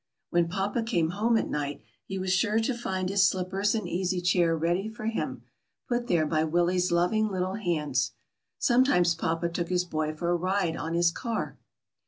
'' When papa came home at night, he was sure to find his slippers and easy chair ready for him, put there by Willie's loving little hands. Sometimes papa took his boy for a ride on his car.